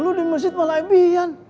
lo di masjid malah fbian